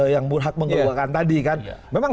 yang burhat mengeluhkan tadi kan